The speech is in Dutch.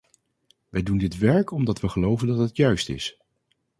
Wij doen dit werk omdat we geloven dat het juist is.